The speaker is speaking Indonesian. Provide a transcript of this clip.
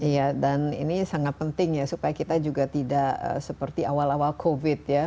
iya dan ini sangat penting ya supaya kita juga tidak seperti awal awal covid ya